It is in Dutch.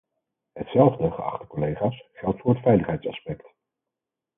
Hetzelfde, geachte collega's, geldt voor het veiligheidsaspect.